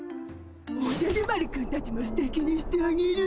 おじゃる丸くんたちもすてきにしてあげる。